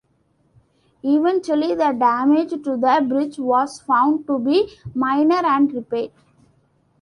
Eventually, the damage to the bridge was found to be minor and repaired.